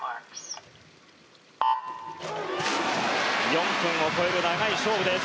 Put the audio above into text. ４分を超える長い勝負です。